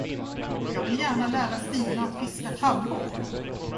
Jag vill gärna lära Stina att fiska krabbor.